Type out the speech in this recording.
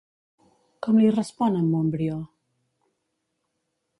Com li respon en Montbrió?